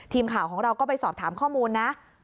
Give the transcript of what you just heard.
ทีมข่าวของเราก็ไปสอบถามข้อมูลนะ